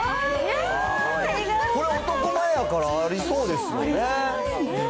これ、男前やから、ありそうありそう。